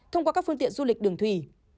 thông qua các phương tiện du lịch đường thủy